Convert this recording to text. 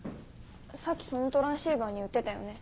さっきそのトランシーバーに言ってたよね？